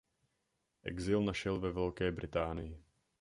Exil našel ve Velké Británii.